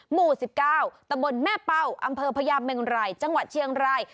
หมู่๑๙ตำบลแม่เป้าอำเภอพญาเมงรายจังหวัดเชียงราย